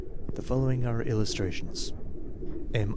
The following arc illustrations: M.